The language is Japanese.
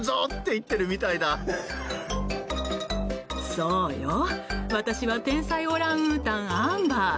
そうよ、私は天才オランウータン、アンバー。